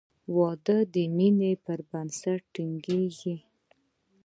• واده د مینې پر بنسټ ټینګېږي.